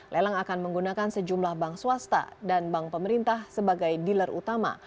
lelang akan menggunakan sejumlah bank swasta dan bank pemerintah sebagai dealer utama